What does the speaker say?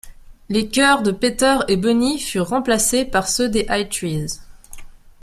Les chœurs de Peter et Bunny furent remplacés par ceux des I-Threes.